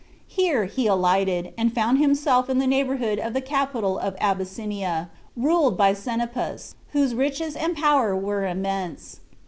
Here he alighted, and found himself in the neighborhood of the capital of Abyssinia, ruled by Senapus, whose riches and power were immense.